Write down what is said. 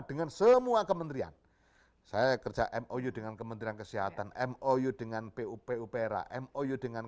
dengan semua kementerian saya kerja mou dengan kementerian kesehatan mou dengan pupu pera mou dengan